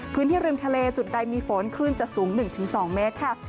พื้นที่ริมทะเลจุดใดมีฝนคลื่นจะสูง๑๒เมตรค่ะ